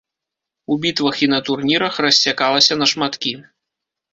У бітвах і на турнірах рассякалася на шматкі.